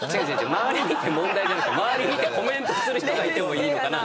「周り見て問題」じゃなくて「周り見てコメントする人がいてもいいのかな」。